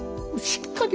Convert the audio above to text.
しっかり。